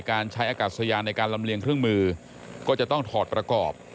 การใช้อากาศยานในการลำเลียงเครื่องมือก็จะต้องถอดประกอบ